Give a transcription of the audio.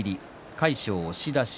魁勝、押し出し。